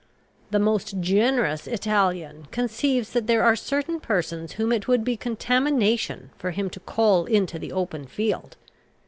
The most generous Italian conceives that there are certain persons whom it would be contamination for him to call into the open field.